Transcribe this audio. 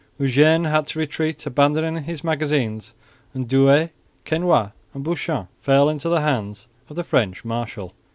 Eugene had to retreat, abandoning his magazines; and Douay, Quesnoy and Bouchain fell into the hands of the French marshal.